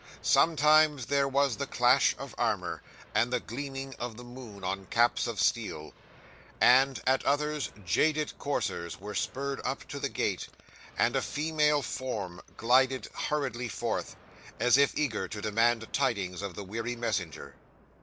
Sometimes, there was the clash of armour, and the gleaming of the moon on caps of steel; and, at others, jaded coursers were spurred up to the gate, and a female form glided hurriedly forth, as if eager to demand tidings of the weary messenger.